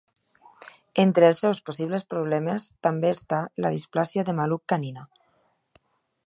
Entre els seus possibles problemes també està la displàsia de maluc canina.